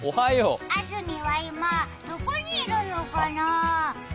安住は今どこにいるのかなぁ？